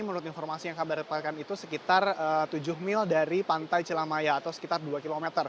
menurut informasi yang kami dapatkan itu sekitar tujuh mil dari pantai cilamaya atau sekitar dua km